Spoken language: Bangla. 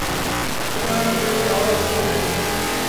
এই ধারণা হইতেই আমাদের দুঃখের উৎপত্তি।